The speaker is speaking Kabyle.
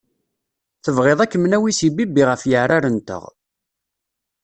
Tebɣiḍ ad kem-nawwi s ibibbi ɣef yeɛrar-nteɣ.